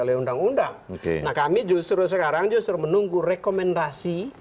oleh undang undang nah kami justru sekarang justru menunggu rekomendasi